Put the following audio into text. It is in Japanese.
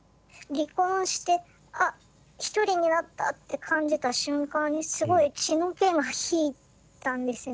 離婚して「あ１人になった」って感じた瞬間にすごい血の気が引いたんですね。